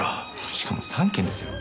しかも３件ですよ。